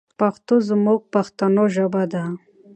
پښتو زموږ پښتنو ژبه ده.